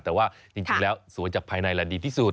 แต่ว่าจริงแล้วสวยจากภายในแหละดีที่สุด